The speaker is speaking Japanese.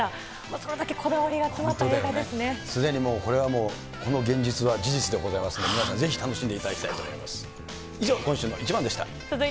それだけこだわりが詰まった映画すでにもうこれはもうこの現実は事実でございますので、皆さんぜひ楽しんでいただきたいすごい。